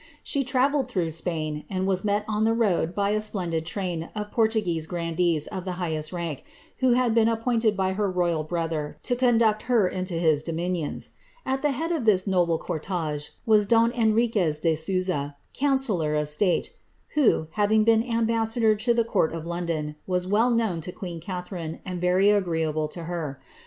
She travelled through Spain, and was met on the road by a [endid train of Portuguese grandees of the highest rank, who had been pointed by her royal brother to conduct her into his dominions. At 9 head of this noble cortege was don Henriquez de Sousa, councillor state, who, having been ambassador to the court of London, was well own to queen Catharine, and very agreeable to her.